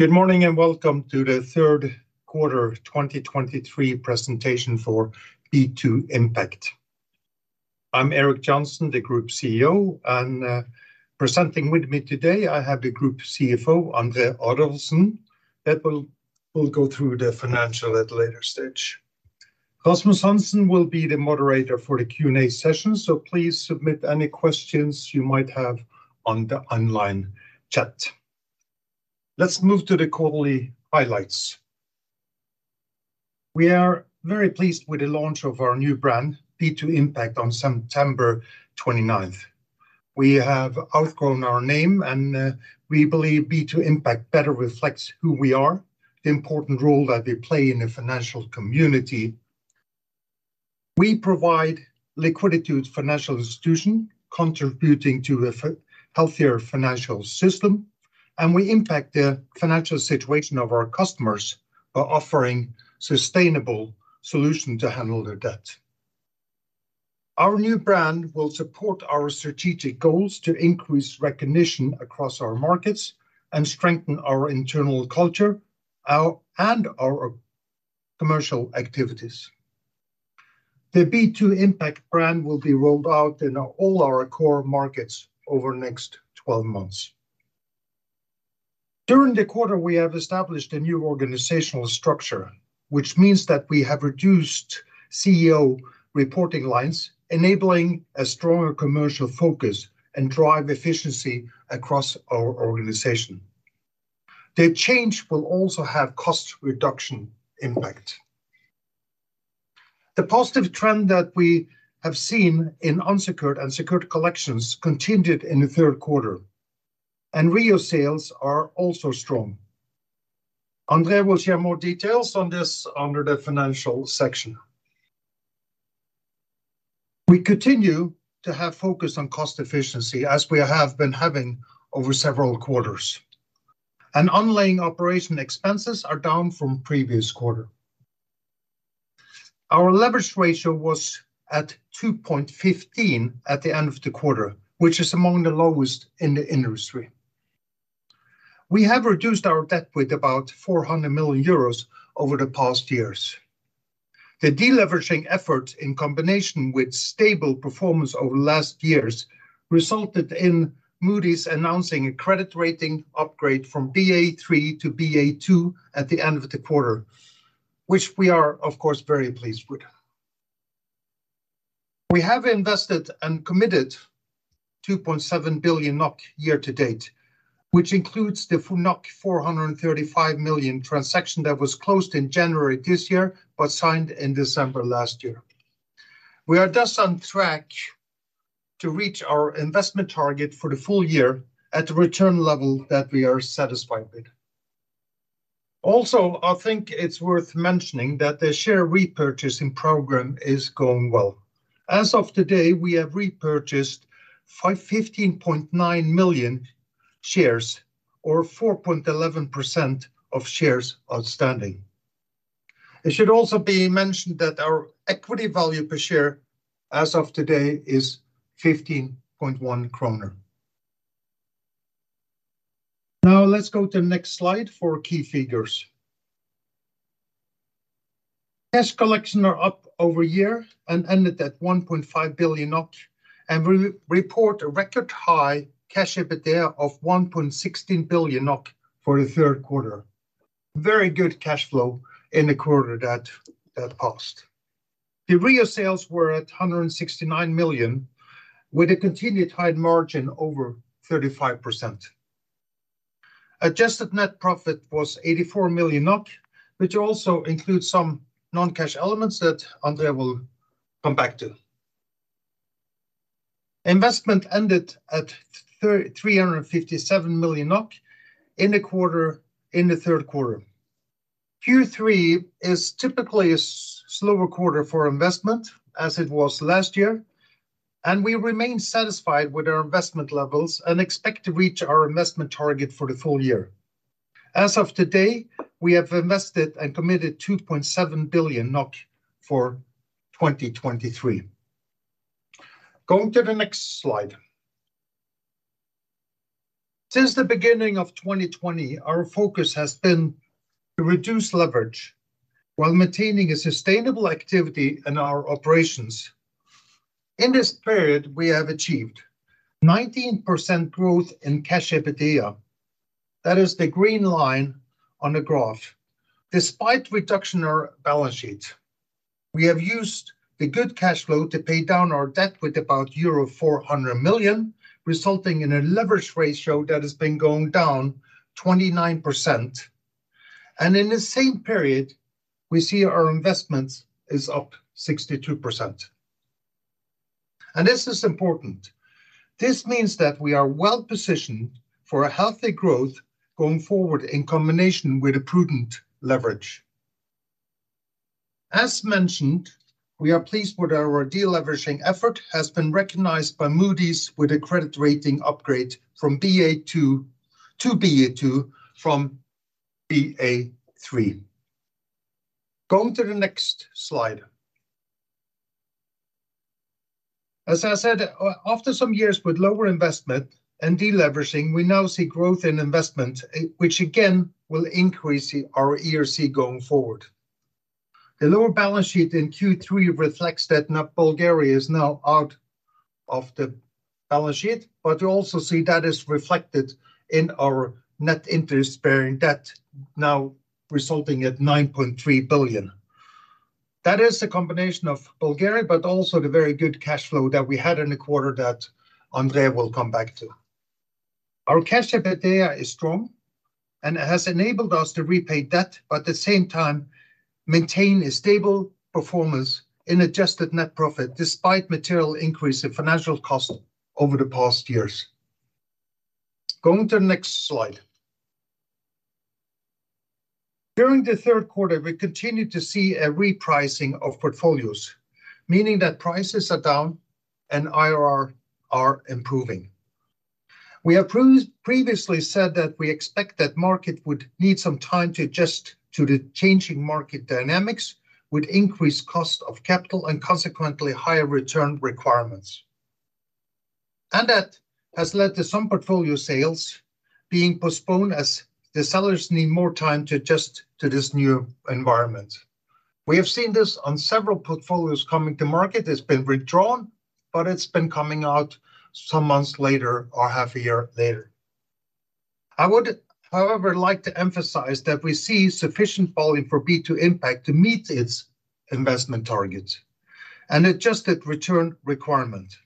Good morning, and welcome to the third quarter 2023 presentation for B2 Impact. I'm Erik Johnsen, the Group CEO, and presenting with me today, I have the Group CFO, André Adolfsen, that will go through the financial at a later stage. Rasmus Hansson will be the moderator for the Q&A session, so please submit any questions you might have on the online chat. Let's move to the quarterly highlights. We are very pleased with the launch of our new brand, B2 Impact, on September 29th. We have outgrown our name, and we believe B2 Impact better reflects who we are, the important role that we play in the financial community. We provide liquidity to financial institution, contributing to a healthier financial system, and we impact the financial situation of our customers by offering sustainable solution to handle their debt. Our new brand will support our strategic goals to increase recognition across our markets and strengthen our internal culture and our commercial activities. The B2 Impact brand will be rolled out in all our core markets over the next 12 months. During the quarter, we have established a new organizational structure, which means that we have reduced CEO reporting lines, enabling a stronger commercial focus and drive efficiency across our organization. The change will also have cost reduction impact. The positive trend that we have seen in unsecured and secured collections continued in the third quarter, and REO sales are also strong. André will share more details on this under the financial section. We continue to have focus on cost efficiency, as we have been having over several quarters, and underlying operating expenses are down from previous quarter. Our leverage ratio was at 2.15 at the end of the quarter, which is among the lowest in the industry. We have reduced our debt with about 400 million euros over the past years. The de-leveraging effort, in combination with stable performance over the last years, resulted in Moody's announcing a credit rating upgrade from Ba3-Ba2 at the end of the quarter, which we are, of course, very pleased with. We have invested and committed 2.7 billion NOK year to date, which includes the 435 million transaction that was closed in January this year, but signed in December last year. We are thus on track to reach our investment target for the full year at the return level that we are satisfied with. Also, I think it's worth mentioning that the share repurchasing program is going well. As of today, we have repurchased 15.9 million shares or 4.11% of shares outstanding. It should also be mentioned that our equity value per share, as of today, is 15.1 kroner. Now, let's go to the next slide for key figures. Cash collections are up year-over-year and ended at 1.5 billion NOK, and we report a record high cash EBITDA of 1.16 billion NOK for the third quarter. Very good cash flow in the quarter that passed. The REO sales were at 169 million, with a continued high margin over 35%. Adjusted net profit was 84 million NOK, which also includes some non-cash elements that André will come back to. Investment ended at 357 million NOK in the quarter, in the third quarter. Q3 is typically a slower quarter for investment, as it was last year, and we remain satisfied with our investment levels and expect to reach our investment target for the full year. As of today, we have invested and committed 2.7 billion NOK for 2023. Going to the next slide. Since the beginning of 2020, our focus has been to reduce leverage while maintaining a sustainable activity in our operations. In this period, we have achieved 19% growth in Cash EBITDA, that is the green line on the graph, despite reduction in our balance sheet. We have used the good cash flow to pay down our debt with about euro 400 million, resulting in a leverage ratio that has been going down 29%, and in the same period, we see our investments is up 62%, and this is important. This means that we are well positioned for a healthy growth going forward in combination with a prudent leverage. As mentioned, we are pleased with our de-leveraging effort, has been recognized by Moody's with a credit rating upgrade from Ba3-Ba2. Going to the next slide.... As I said, after some years with lower investment and deleveraging, we now see growth in investment, which again, will increase our ERC going forward. The lower balance sheet in Q3 reflects that now Bulgaria is now out of the balance sheet, but you also see that is reflected in our net interest-bearing debt, now resulting at 9.3 billion. That is a combination of Bulgaria, but also the very good cash flow that we had in the quarter that André will come back to. Our Cash EBITDA is strong, and it has enabled us to repay debt, but at the same time, maintain a stable performance in adjusted net profit, despite material increase in financial costs over the past years. Going to the next slide. During the third quarter, we continued to see a repricing of portfolios, meaning that prices are down and IRR are improving. We have previously said that we expect that market would need some time to adjust to the changing market dynamics, with increased cost of capital and consequently higher return requirements. That has led to some portfolio sales being postponed, as the sellers need more time to adjust to this new environment. We have seen this on several portfolios coming to market. It's been withdrawn, but it's been coming out some months later or half a year later. I would, however, like to emphasize that we see sufficient volume for B2 Impact to meet its investment targets and adjusted return requirement.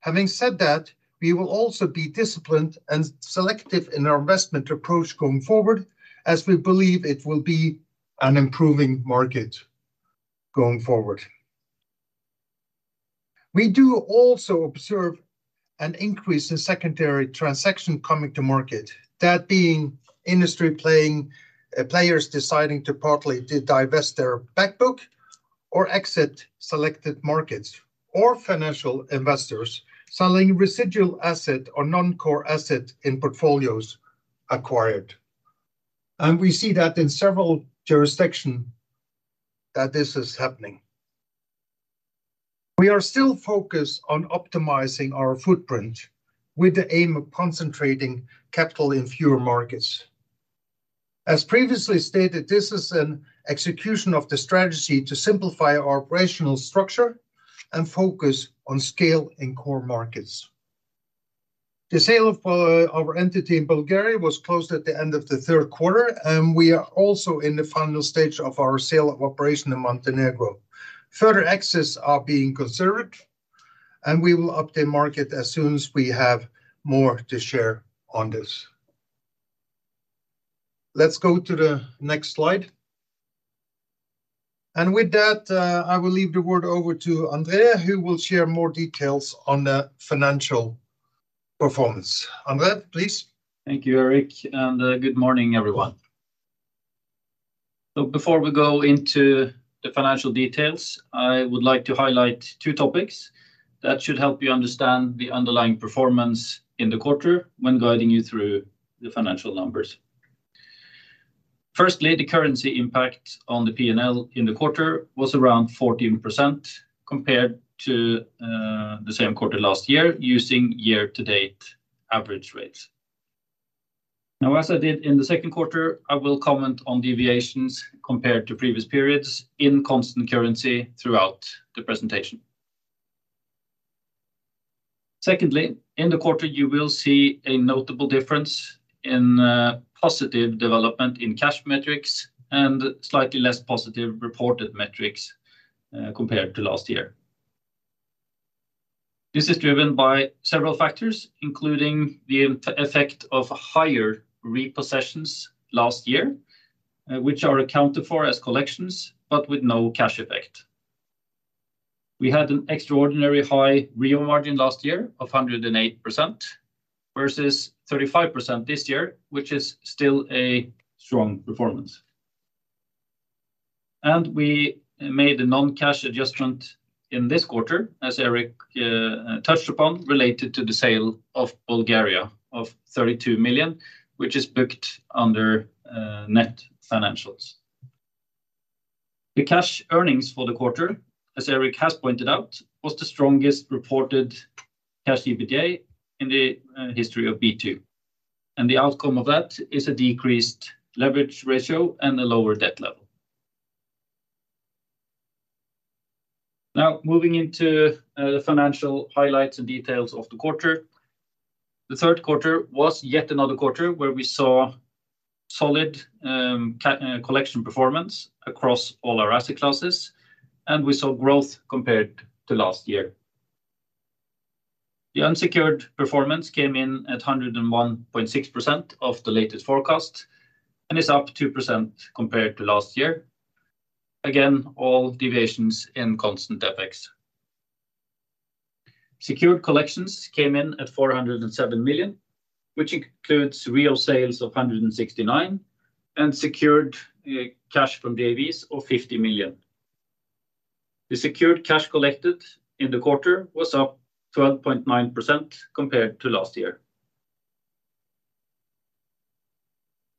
Having said that, we will also be disciplined and selective in our investment approach going forward, as we believe it will be an improving market going forward. We do also observe an increase in secondary transaction coming to market, that being industry playing, players deciding to partly to divest their back book or exit selected markets, or financial investors selling residual asset or non-core asset in portfolios acquired. And we see that in several jurisdictions that this is happening. We are still focused on optimizing our footprint with the aim of concentrating capital in fewer markets. As previously stated, this is an execution of the strategy to simplify our operational structure and focus on scale in core markets. The sale of our entity in Bulgaria was closed at the end of the third quarter, and we are also in the final stage of our sale of operation in Montenegro. Further exits are being considered, and we will update market as soon as we have more to share on this. Let's go to the next slide. And with that, I will leave the word over to André, who will share more details on the financial performance. André, please. Thank you, Erik, and good morning, everyone. Before we go into the financial details, I would like to highlight two topics that should help you understand the underlying performance in the quarter when guiding you through the financial numbers. Firstly, the currency impact on the PNL in the quarter was around 14% compared to the same quarter last year, using year-to-date average rates. Now, as I did in the second quarter, I will comment on deviations compared to previous periods in constant currency throughout the presentation. Secondly, in the quarter, you will see a notable difference in positive development in cash metrics and slightly less positive reported metrics compared to last year. This is driven by several factors, including the effect of higher repossessions last year, which are accounted for as collections, but with no cash effect. We had an extraordinary high REO margin last year of 108% versus 35% this year, which is still a strong performance. We made a non-cash adjustment in this quarter, as Erik touched upon, related to the sale of Bulgaria of 32 million, which is booked under net financials. The cash earnings for the quarter, as Erik has pointed out, was the strongest reported Cash EBITDA in the history of B2, and the outcome of that is a decreased leverage ratio and a lower debt level. Now, moving into the financial highlights and details of the quarter. The third quarter was yet another quarter where we saw solid collection performance across all our asset classes, and we saw growth compared to last year. The unsecured performance came in at 101.6% of the latest forecast and is up 2% compared to last year. Again, all deviations in constant FX. Secured collections came in at 407 million, which includes REO sales of 169 million, and secured cash from the JVs of 50 million. The secured cash collected in the quarter was up 12.9% compared to last year.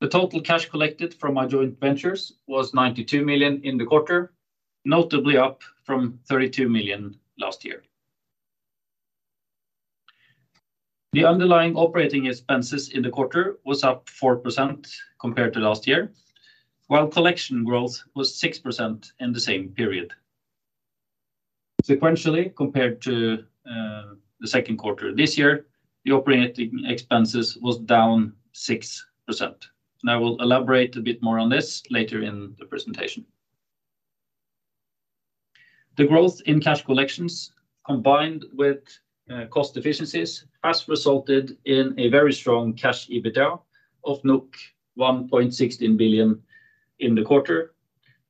The total cash collected from our joint ventures was 92 million in the quarter, notably up from 32 million last year. The underlying operating expenses in the quarter was up 4% compared to last year, while collection growth was 6% in the same period. Sequentially, compared to the second quarter this year, the operating expenses was down 6%. And I will elaborate a bit more on this later in the presentation. The growth in cash collections, combined with cost efficiencies, has resulted in a very strong cash EBITDA of 1.16 billion in the quarter,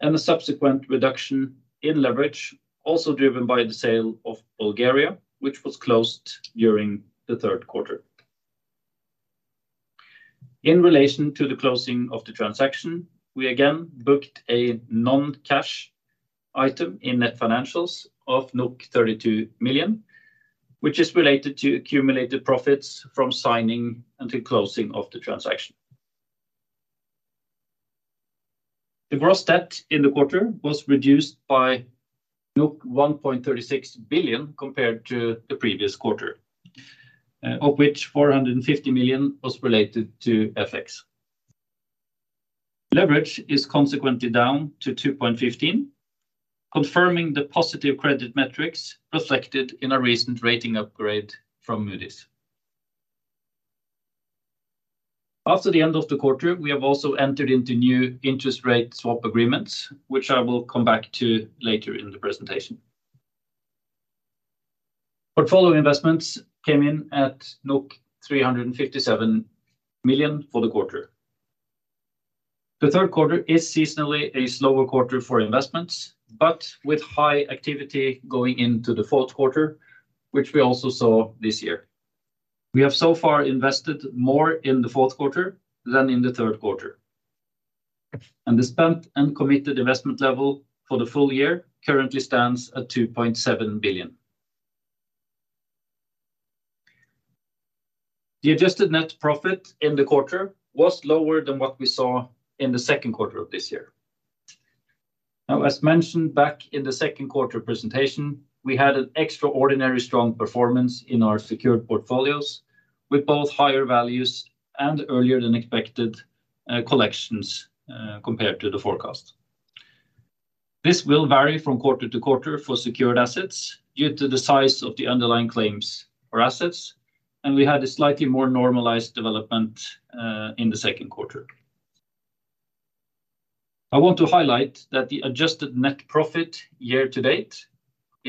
and a subsequent reduction in leverage, also driven by the sale of Bulgaria, which was closed during the third quarter. In relation to the closing of the transaction, we again booked a non-cash item in net financials of 32 million, which is related to accumulated profits from signing and the closing of the transaction. The gross debt in the quarter was reduced by 1.36 billion compared to the previous quarter, of which 450 million was related to FX. Leverage is consequently down to 2.15, confirming the positive credit metrics reflected in a recent rating upgrade from Moody's. After the end of the quarter, we have also entered into new interest rate swap agreements, which I will come back to later in the presentation. Portfolio investments came in at 357 million for the quarter. The third quarter is seasonally a slower quarter for investments, but with high activity going into the fourth quarter, which we also saw this year. We have so far invested more in the fourth quarter than in the third quarter, and the spent and committed investment level for the full year currently stands at 2.7 billion. The adjusted net profit in the quarter was lower than what we saw in the second quarter of this year. Now, as mentioned back in the second quarter presentation, we had an extraordinary strong performance in our secured portfolios, with both higher values and earlier than expected, collections, compared to the forecast. This will vary from quarter to quarter for secured assets due to the size of the underlying claims or assets, and we had a slightly more normalized development, in the second quarter. I want to highlight that the adjusted net profit year to date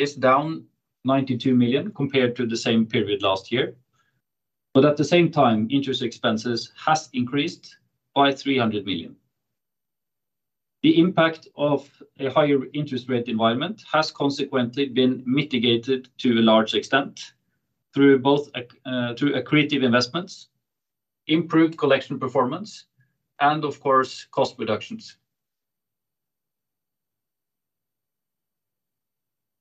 is down 92 million compared to the same period last year, but at the same time, interest expenses has increased by 300 million. The impact of a higher interest rate environment has consequently been mitigated to a large extent, through both, through accretive investments, improved collection performance, and of course, cost reductions.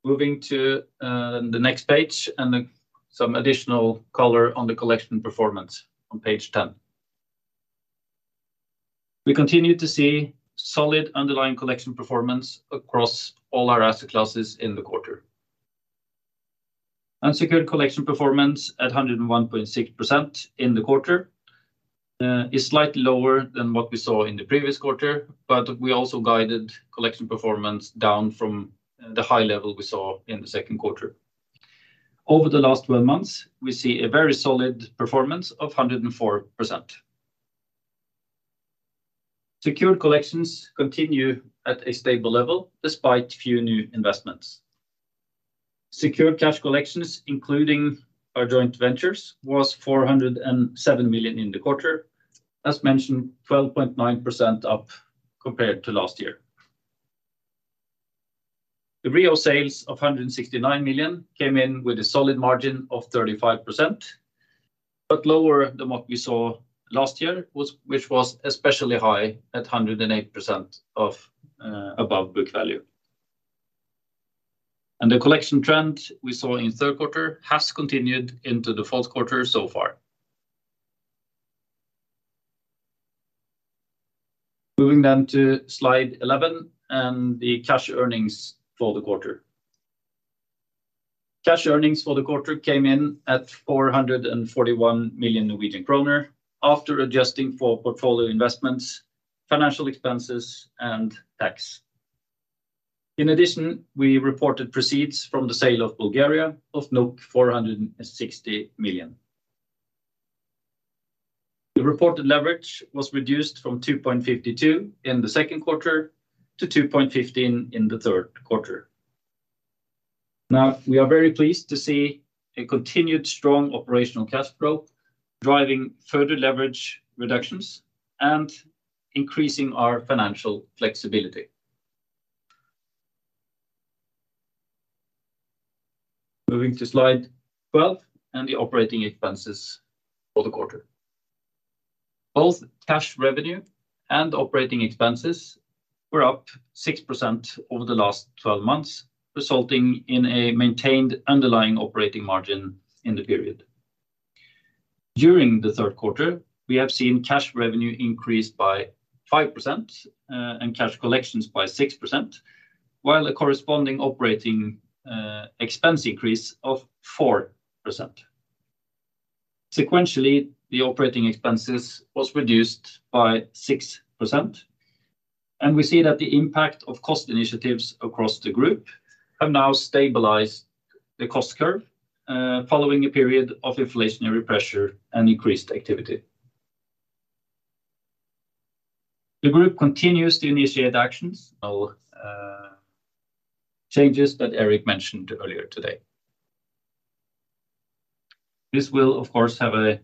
Moving to the next page, and then some additional color on the collection performance on page 10. We continue to see solid underlying collection performance across all our asset classes in the quarter. Unsecured collection performance at 101.6% in the quarter is slightly lower than what we saw in the previous quarter, but we also guided collection performance down from the high level we saw in the second quarter. Over the last 12 months, we see a very solid performance of 104%. Secured collections continue at a stable level, despite few new investments. Secured cash collections, including our joint ventures, was 407 million in the quarter. As mentioned, 12.9% up compared to last year. The REO sales of 169 million came in with a solid margin of 35%, but lower than what we saw last year, which was especially high at 108% of above book value. The collection trend we saw in the third quarter has continued into the fourth quarter so far. Moving to Slide 11 and the cash earnings for the quarter. Cash earnings for the quarter came in at 441 million Norwegian kroner, after adjusting for portfolio investments, financial expenses, and tax. In addition, we reported proceeds from the sale of Bulgaria of 460 million. The reported leverage was reduced from 2.52 in the second quarter to 2.15 in the third quarter. Now, we are very pleased to see a continued strong operational cash flow, driving further leverage reductions and increasing our financial flexibility. Moving to Slide 12 and the operating expenses for the quarter. Both cash revenue and operating expenses were up 6% over the last 12 months, resulting in a maintained underlying operating margin in the period. During the third quarter, we have seen cash revenue increase by 5%, and cash collections by 6%, while a corresponding operating expense increase of 4%. Sequentially, the operating expenses was reduced by 6%, and we see that the impact of cost initiatives across the group have now stabilized the cost curve, following a period of inflationary pressure and increased activity. The group continues to initiate actions, changes that Erik mentioned earlier today. This will, of course, have an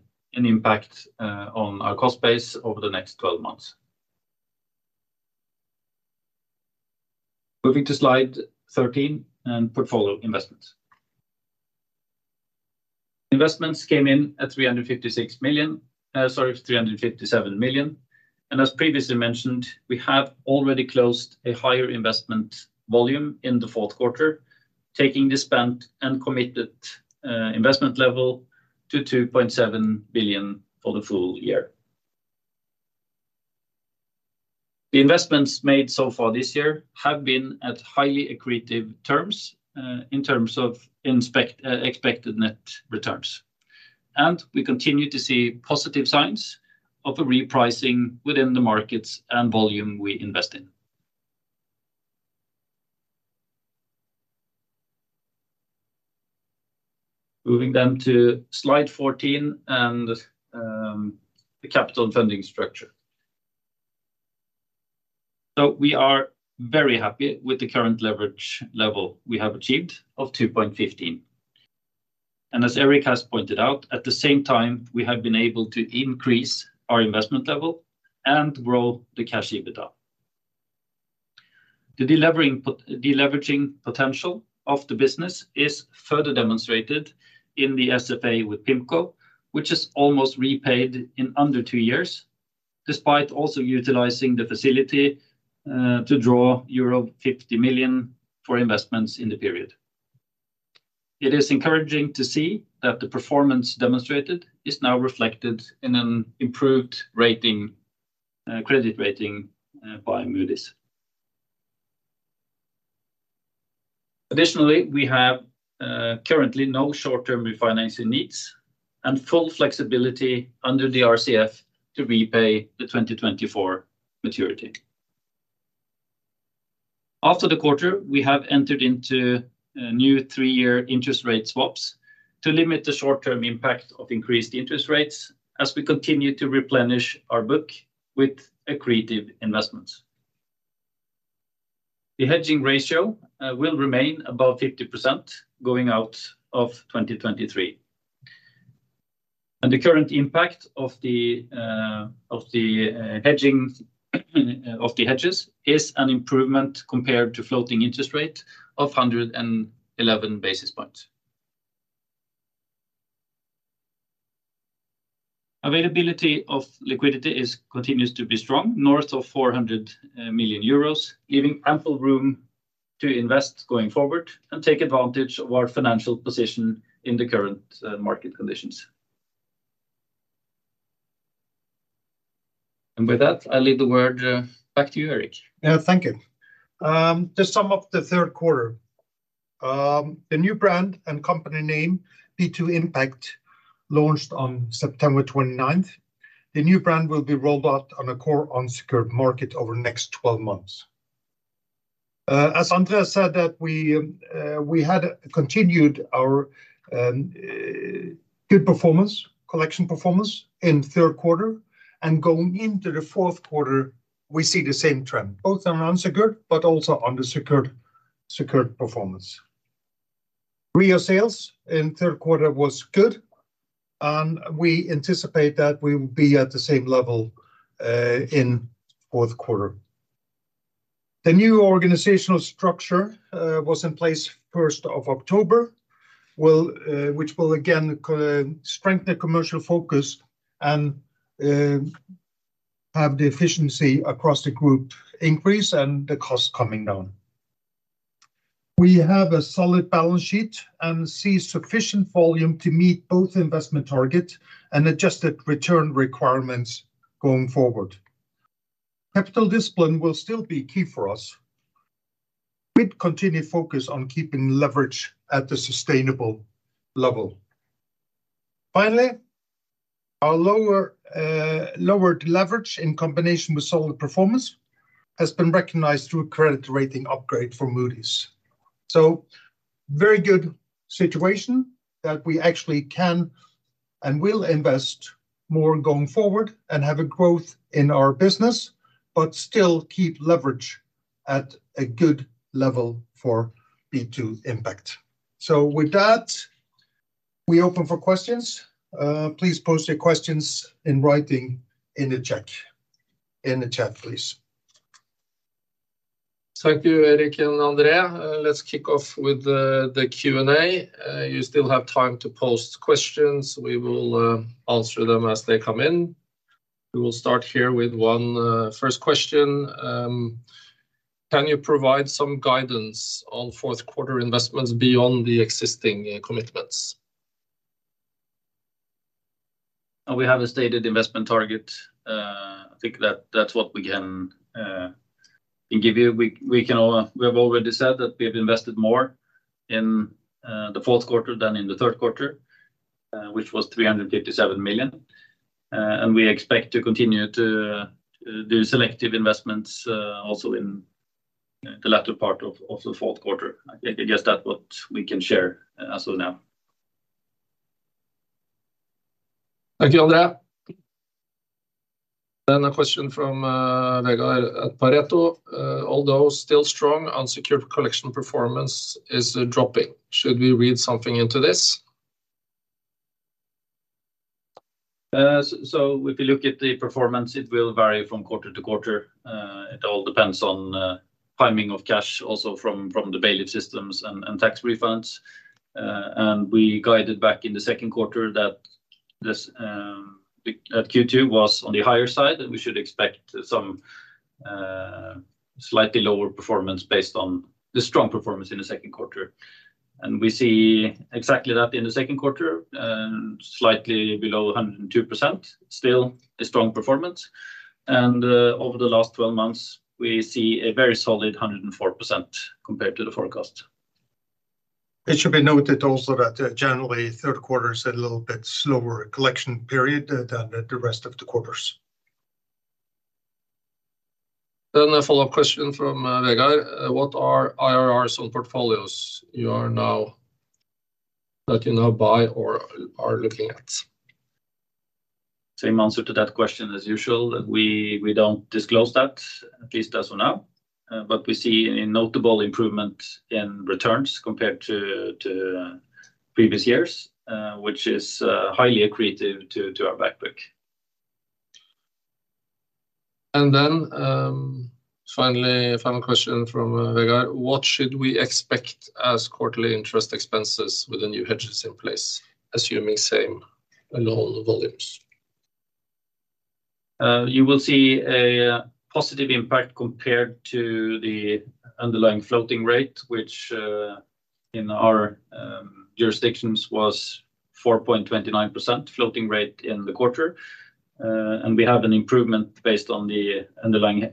impact on our cost base over the next 12 months. Moving to Slide 13 and portfolio investments. Investments came in at 356 million, sorry, 357 million, and as previously mentioned, we have already closed a higher investment volume in the fourth quarter, taking the spent and committed investment level to 2.7 billion for the full year. The investments made so far this year have been at highly accretive terms in terms of expected net returns. We continue to see positive signs of a repricing within the markets and volume we invest in. Moving then to Slide 14 and the capital funding structure. We are very happy with the current leverage level we have achieved of 2.15. As Erik has pointed out, at the same time, we have been able to increase our investment level and grow the Cash EBITDA. The deleveraging potential of the business is further demonstrated in the SFA with PIMCO, which is almost repaid in under two years, despite also utilizing the facility to draw euro 50 million for investments in the period. It is encouraging to see that the performance demonstrated is now reflected in an improved credit rating by Moody's. Additionally, we have currently no short-term refinancing needs and full flexibility under the RCF to repay the 2024 maturity. After the quarter, we have entered into a new three-year interest rate swaps to limit the short-term impact of increased interest rates as we continue to replenish our book with accretive investments. The hedging ratio will remain above 50% going out of 2023. And the current impact of the hedging of the hedges is an improvement compared to floating interest rate of 111 basis points. Availability of liquidity continues to be strong, north of 400 million euros, leaving ample room to invest going forward and take advantage of our financial position in the current market conditions. And with that, I leave the word back to you, Erik. Thank you. To sum up the third quarter, the new brand and company name, B2 Impact, launched on September twenty-ninth. The new brand will be rolled out on a core unsecured market over the next 12 months. As André said, that we, we had continued our, good performance, collection performance in third quarter, and going into the fourth quarter, we see the same trend, both on unsecured, but also on the secured, secured performance. REO sales in third quarter was good, and we anticipate that we will be at the same level, in fourth quarter. The new organizational structure, was in place first of October, will, which will again, strengthen the commercial focus and, have the efficiency across the group increase and the cost coming down. We have a solid balance sheet and see sufficient volume to meet both investment target and adjusted return requirements going forward. Capital discipline will still be key for us. We continue focus on keeping leverage at the sustainable level. Finally, our lower, lowered leverage, in combination with solid performance, has been recognized through a credit rating upgrade from Moody's. So very good situation that we actually can and will invest more going forward and have a growth in our business, but still keep leverage at a good level for B2 Impact. So with that, we open for questions. Please post your questions in writing in the chat, please.... Thank you, Erik and André. Let's kick off with the Q&A. You still have time to post questions. We will answer them as they come in. We will start here with one first question. Can you provide some guidance on fourth quarter investments beyond the existing commitments? We have a stated investment target. I think that that's what we can can give you. We, we can... We have already said that we have invested more in the fourth quarter than in the third quarter, which was 357 million. And we expect to continue to do selective investments also in the latter part of the fourth quarter. I think I guess that's what we can share as of now. Thank you, André. Then a question from Vegard at Pareto. "Although still strong, unsecured collection performance is dropping. Should we read something into this? So, so if you look at the performance, it will vary from quarter to quarter. It all depends on timing of cash, also from the bailiff systems and tax refunds. We guided back in the second quarter that this at Q2 was on the higher side, and we should expect some slightly lower performance based on the strong performance in the second quarter. We see exactly that in the second quarter, and slightly below 102%, still a strong performance. Over the last twelve months, we see a very solid 104% compared to the forecast. It should be noted also that generally, third quarter is a little bit slower collection period than the rest of the quarters. Then a follow-up question from Vegard: "What are IRRs on portfolios you are now—that you now buy or are looking at? Same answer to that question as usual. We don't disclose that, at least as of now. But we see a notable improvement in returns compared to previous years, which is highly accretive to our back book. Finally, a final question from Vegard: "What should we expect as quarterly interest expenses with the new hedges in place, assuming same loan volumes? You will see a positive impact compared to the underlying floating rate, which in our jurisdictions was 4.29% floating rate in the quarter. And we have an improvement based on the underlying,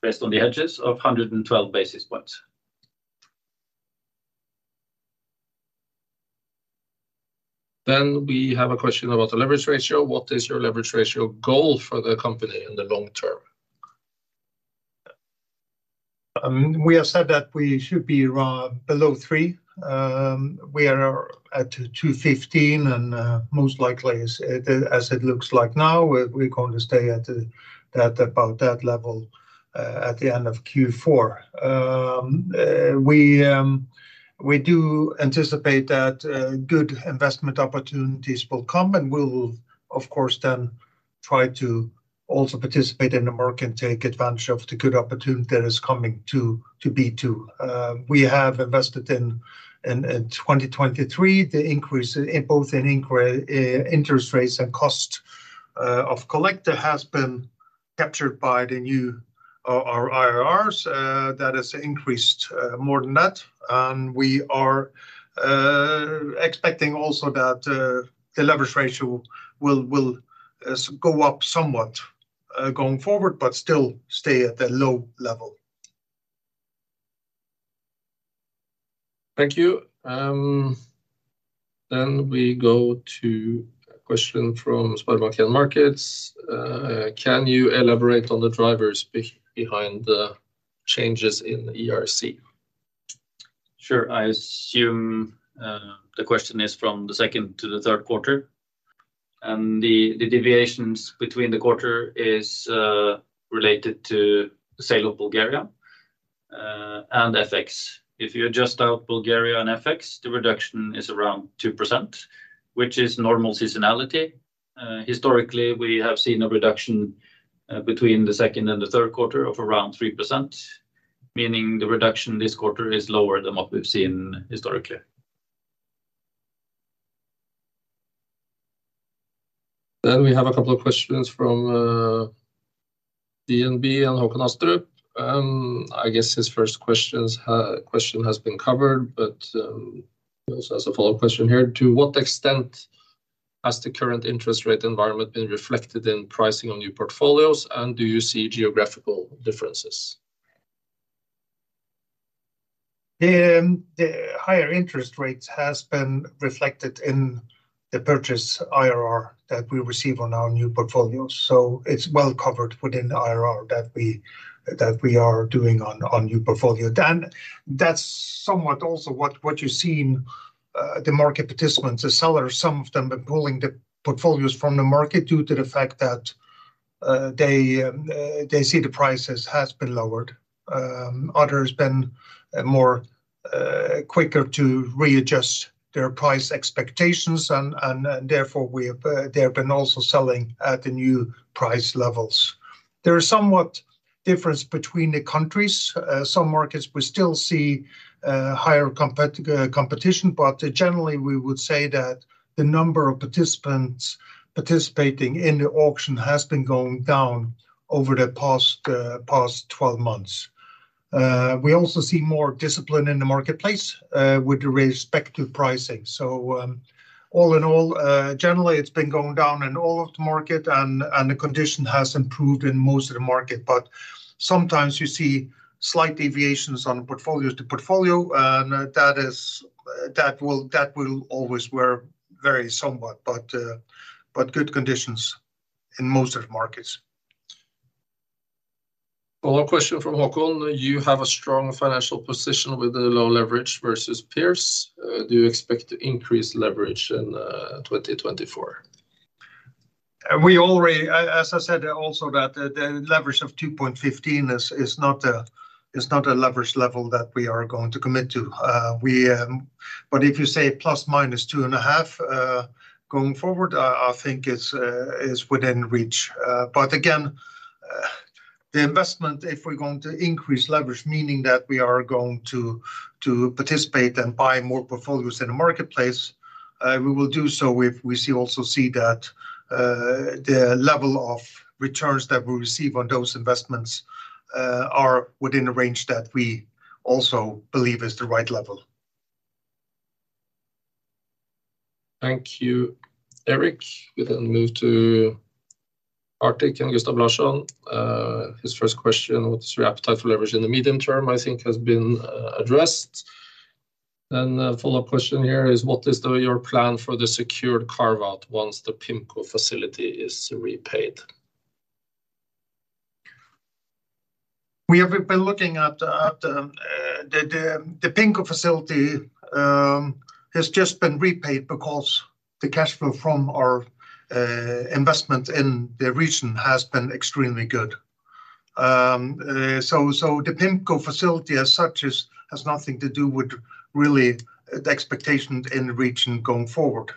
based on the hedges of 112 basis points. We have a question about the leverage ratio: "What is your leverage ratio goal for the company in the long term? We have said that we should be around below 3. We are at 2.15, and most likely as it looks like now, we're going to stay at about that level at the end of Q4. We do anticipate that good investment opportunities will come, and we'll of course then try to also participate in the market and take advantage of the good opportunity that is coming to B2. We have invested in 2023, the increase in both interest rates and cost of collector has been captured by the new our IRRs. That has increased more than that, and we are expecting also that the leverage ratio will go up somewhat going forward, but still stay at the low level. Thank you. Then we go to a question from SpareBank 1 Markets. "Can you elaborate on the drivers behind the changes in the ERC? Sure. I assume the question is from the second to the third quarter, and the deviations between the quarter is related to the sale of Bulgaria and FX. If you adjust out Bulgaria and FX, the reduction is around 2%, which is normal seasonality. Historically, we have seen a reduction between the second and the third quarter of around 3%, meaning the reduction this quarter is lower than what we've seen historically. Then we have a couple of questions from DNB and Håkon Astrup. I guess his first question has been covered, but he also has a follow-up question here: "To what extent has the current interest rate environment been reflected in pricing on new portfolios, and do you see geographical differences? The higher interest rates has been reflected in the purchase IRR that we receive on our new portfolios, so it's well covered within the IRR that we are doing on new portfolios. And that's somewhat also what you've seen, the market participants, the sellers, some of them are pulling the portfolios from the market due to the fact that they see the prices has been lowered. Others been more quicker to readjust their price expectations, and therefore, they have been also selling at the new price levels. There are somewhat difference between the countries. Some markets we still see higher competition, but generally, we would say that the number of participants participating in the auction has been going down over the past 12 months. We also see more discipline in the marketplace with respect to pricing. So, all in all, generally, it's been going down in all of the market, and the condition has improved in most of the market, but sometimes you see slight deviations on a portfolio to portfolio, and that will always vary somewhat, but good conditions in most of the markets. Well, a question from Håkon. You have a strong financial position with a low leverage versus peers. Do you expect to increase leverage in 2024? As I said, also that the leverage of 2.15 is not a. It's not a leverage level that we are going to commit to. But if you say ±2.5 going forward, I think it is within reach. But again, the investment, if we're going to increase leverage, meaning that we are going to participate and buy more portfolios in the marketplace, we will do so if we also see that the level of returns that we receive on those investments are within a range that we also believe is the right level. Thank you, Erik. We then move to Arctic and Gustav Larsson. His first question: What's your appetite for leverage in the medium term? I think has been addressed. Then the follow-up question here is: What is your plan for the secured carve-out once the PIMCO facility is repaid? We have been looking at the PIMCO facility has just been repaid because the cash flow from our investment in the region has been extremely good. So the PIMCO facility as such has nothing to do with really the expectation in the region going forward.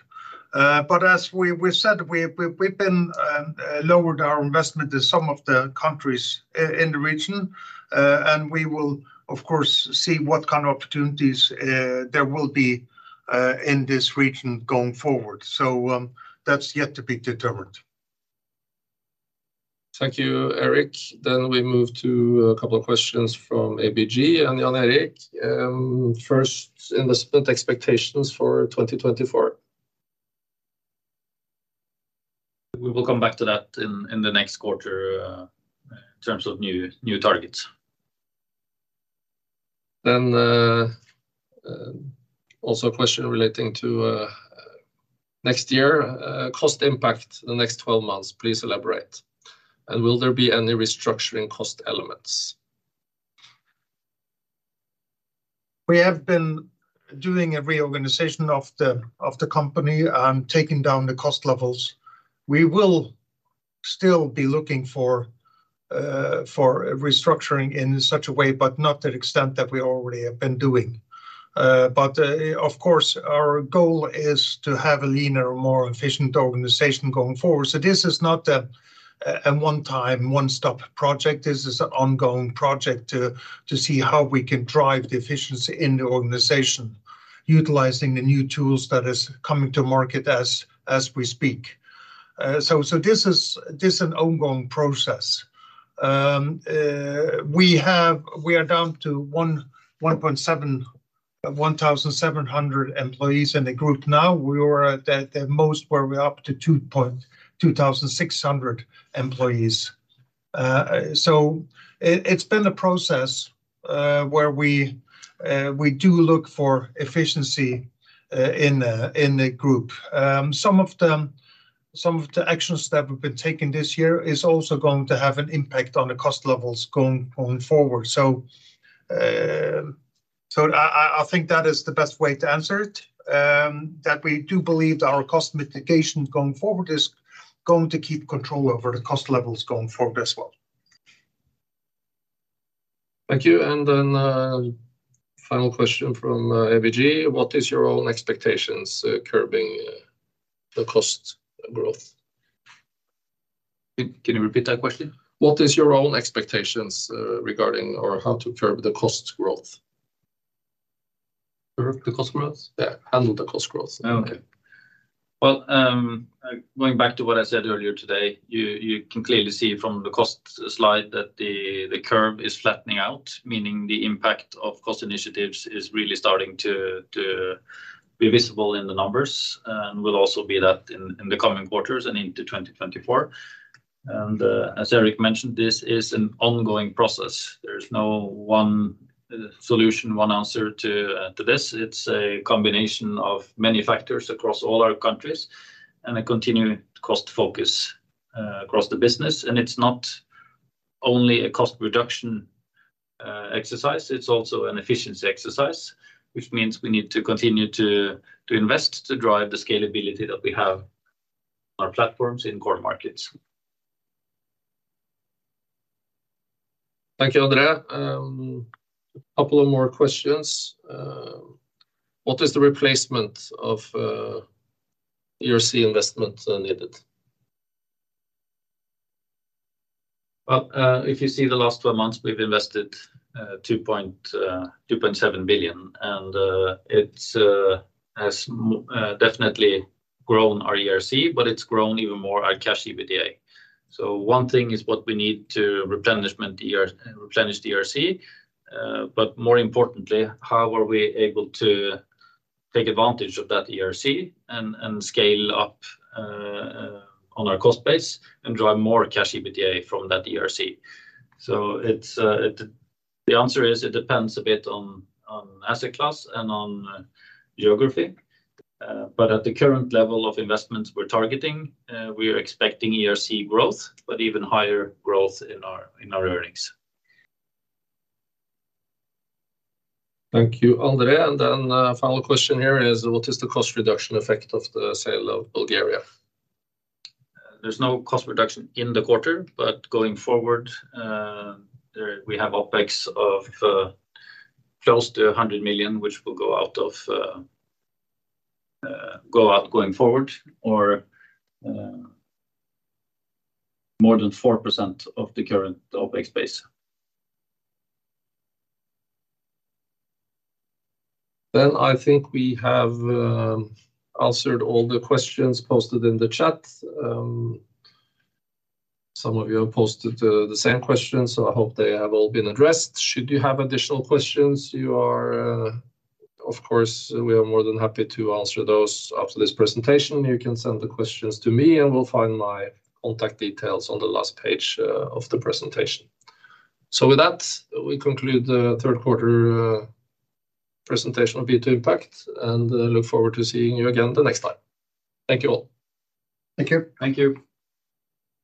But as we said, we've been lowered our investment in some of the countries in the region, and we will, of course, see what kind of opportunities there will be in this region going forward. So that's yet to be determined. Thank you, Erik. Then we move to a couple of questions from ABG and Jan Erik. First, investment expectations for 2024. We will come back to that in the next quarter, in terms of new targets. Then, also a question relating to next year. Cost impact in the next 12 months. Please elaborate, and will there be any restructuring cost elements? We have been doing a reorganization of the company and taking down the cost levels. We will still be looking for restructuring in such a way, but not to the extent that we already have been doing. Of course, our goal is to have a leaner and more efficient organization going forward. This is not a one-time, one-stop project. This is an ongoing project to see how we can drive the efficiency in the organization, utilizing the new tools that is coming to market as we speak. This is an ongoing process. We are down to 1,700 employees in the group now. We were at the most up to 2,600 employees. So it's been a process where we do look for efficiency in the group. Some of the actions that we've been taking this year is also going to have an impact on the cost levels going forward. So I think that is the best way to answer it, that we do believe that our cost mitigation going forward is going to keep control over the cost levels going forward as well. Thank you, and then, final question from ABG. What is your own expectations, curbing the cost growth? Can you repeat that question? What is your own expectations, regarding or how to curb the cost growth? Curb the cost growth? Yeah, handle the cost growth. Okay. Well, going back to what I said earlier today, you can clearly see from the cost slide that the curve is flattening out, meaning the impact of cost initiatives is really starting to be visible in the numbers, and will also be that in the coming quarters and into 2024. As Erik mentioned, this is an ongoing process. There's no one solution, one answer to this. It's a combination of many factors across all our countries and a continuing cost focus across the business, and it's not only a cost reduction exercise, it's also an efficiency exercise, which means we need to continue to invest, to drive the scalability that we have on our platforms in core markets.... Thank you, André. A couple of more questions. What is the replacement of ERC investment needed? Well, if you see the last 12 months, we've invested 2.7 billion, and it's definitely grown our ERC, but it's grown even more our cash EBITDA. So one thing is what we need to replenish the ERC, but more importantly, how are we able to take advantage of that ERC and scale up on our cost base and drive more cash EBITDA from that ERC? So it's the answer is it depends a bit on asset class and on geography. But at the current level of investments we're targeting, we are expecting ERC growth, but even higher growth in our earnings. Thank you, André. Then, final question here is, what is the cost reduction effect of the sale of Bulgaria? There's no cost reduction in the quarter, but going forward, there we have OpEx of close to 100 million, which will go out going forward, or more than 4% of the current OpEx base. Then I think we have answered all the questions posted in the chat. Some of you have posted the same questions, so I hope they have all been addressed. Should you have additional questions, you are... Of course, we are more than happy to answer those after this presentation. You can send the questions to me, and you will find my contact details on the last page of the presentation. So with that, we conclude the third quarter presentation of B2 Impact, and look forward to seeing you again the next time. Thank you all. Thank you. Thank you.